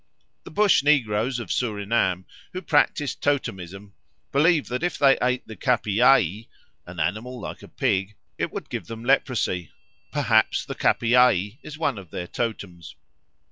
The Bush negroes of Surinam, who practise totemism, believe that if they ate the capiaï (an animal like a pig) it would give them leprosy; perhaps the capiaï is one of their totems.